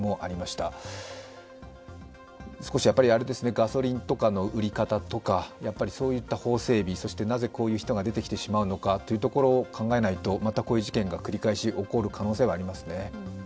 ガソリンとかの売り方とか、そういった法整備、そしてなぜこういう人が出てきてしまうのか考えないと、またこういう事件が繰り返し起こる可能性はありますね。